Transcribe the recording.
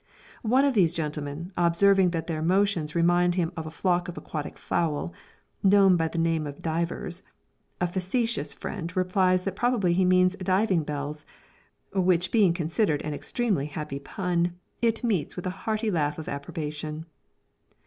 One of these gentlemen observing that their motions remind him of a flock of aquatic fowl, known by the name of divers, a facetious friend replies that probably he means diving bells; which being considered an extremely happy pun, it meets with a hearty laugh of approbation.